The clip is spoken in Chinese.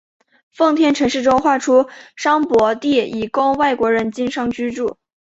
奉天城市中划出商埠地以供外国人经商居住。